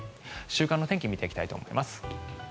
週間天気を見ていきたいと思います。